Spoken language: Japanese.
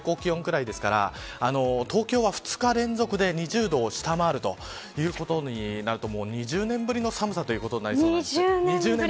今の気温が最高気温くらいですから、東京は２日連続で２０度を下回るということになると２０年ぶりの寒さということになりそうです。